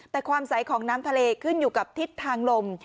แต่ความใสของน้ำทะเลขึ้นอยู่กับทิศทางลม